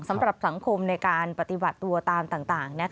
สำหรับสังคมในการปฏิบัติตัวตามต่าง